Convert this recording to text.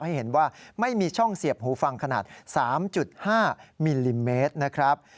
ให้เห็นว่าไม่มีช่องเสียบหูฟังขนาด๓๕มิลลิเมตรนะครับ